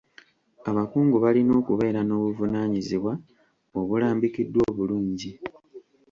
Abakungu balina okubeera n'obuvunaanyizibwa obulambikiddwa obulungi.